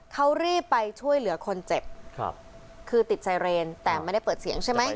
เขารีบไปช่วยเหลือคนเจ็บครับคือติดไซเรนแต่ไม่ได้เปิดเสียงใช่ไหม